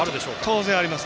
当然あります。